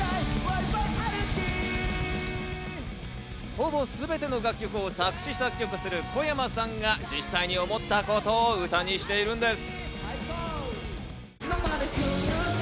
ほぼ全ての楽曲を作詞・作曲する、こやまさんが実際に思ったことを歌にしているんです。